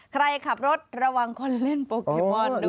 ใครขับรถระวังคนเล่นโปเกมอนด้วย